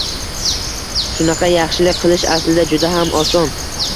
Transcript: Shunaqa, yaxshilik qilish aslida juda ham oson.